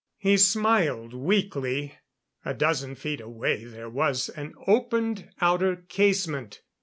He smiled weakly. A dozen feet away there was an opened outer casement.